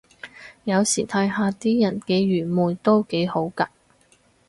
有時睇下啲人幾愚昧都幾好咖